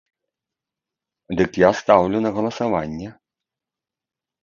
Дык я стаўлю на галасаванне.